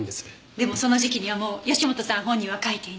でもその時期にはもう義本さん本人は書いていない。